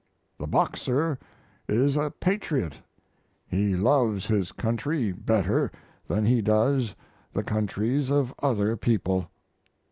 The Boxer is a patriot. He loves his country better than he does the countries of other people.